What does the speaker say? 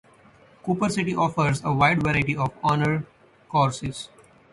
Cooper City offers a wide variety of honors courses.